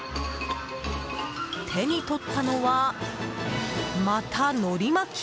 手に取ったのは、またのり巻き。